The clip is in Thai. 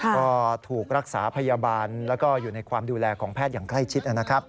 ก็ถูกรักษาพยาบาลแล้วก็อยู่ในความดูแลของแพทย์อย่างใกล้ชิดนะครับ